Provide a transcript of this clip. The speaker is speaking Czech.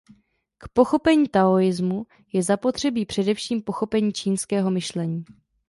K pochopení taoismu je zapotřebí především pochopení „čínského myšlení“.